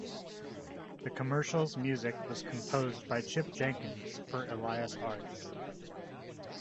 The commercial's music was composed by Chip Jenkins for Elias Arts.